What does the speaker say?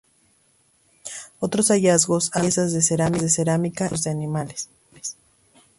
Otros hallazgos han sido piezas de cerámica y huesos de animales.